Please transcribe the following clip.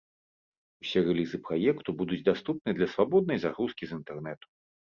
Усе рэлізы праекту будуць даступныя для свабоднай загрузкі з інтэрнэту.